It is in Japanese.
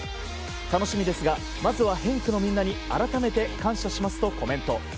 楽しみですがまずはヘンクのみんなに改めて感謝しますとコメント。